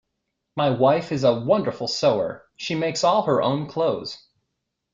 My wife is a wonderful sewer: she makes all her own clothes.